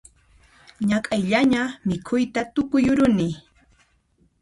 Ñak'ayllaña mikhuyta tukuyuruni